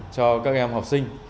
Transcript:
cho các em học sinh